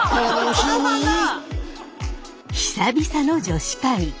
久々の女子会。